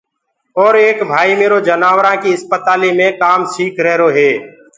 اور ايڪ ڀائيٚ ميرو جناورآنٚ ڪيٚ اِسپتاليٚ مي ڪآم سيٚک ريهرو هي۔